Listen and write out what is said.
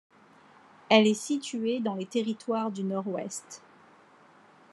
Elle est située dans les Territoires du Nord-Ouest.